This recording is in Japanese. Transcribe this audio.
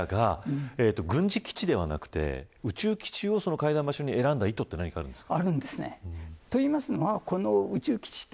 今回ロシアが軍事基地ではなくて宇宙基地を会談の場所に選んだ意図はあるんですか。